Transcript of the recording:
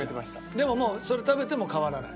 でももうそれ食べても変わらない？